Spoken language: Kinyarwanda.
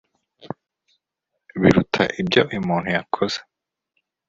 biruta ibyo uyu muntu yakoze